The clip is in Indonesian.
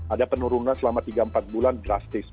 ada penurunan selama tiga empat bulan drastis